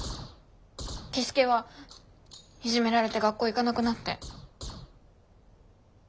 樹介はいじめられて学校行かなくなって。